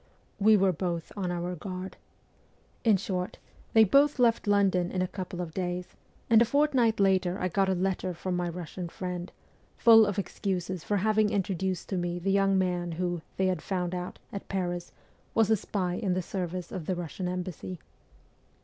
We were both on our guard. In short, they both left London in a couple of days, and a fortnight later I got a letter from my Kussian friend, full of excuses for having intro duced to me the young man who, they had found out, at Paris, was a spy in the service of the Russian embassy.